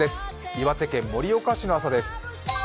岩手県盛岡市の朝です。